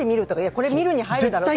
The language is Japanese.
これ、見るに入るだろうと。